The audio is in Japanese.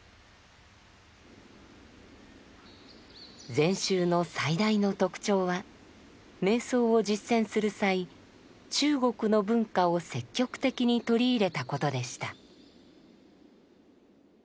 禅宗の最大の特徴は瞑想を実践する際中国の文化を積極的に取り入れたことでした。